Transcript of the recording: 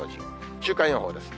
週間予報です。